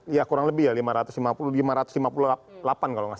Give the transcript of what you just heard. ya kurang lebih ya lima ratus lima puluh lima ratus lima puluh delapan kalau nggak salah